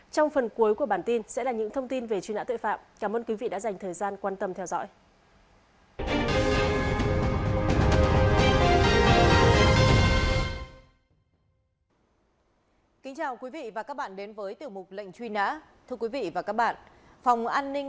trong phần cuối của bản tin sẽ là những thông tin về chuyên ả tội phạm